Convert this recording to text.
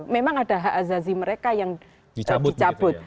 memang ada hak azazi mereka yang dicabut